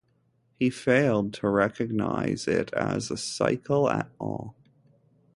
He failed to recognize it as a cycle at all.